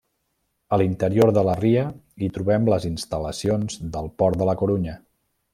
A l'interior de la ria hi trobem les instal·lacions del port de la Corunya.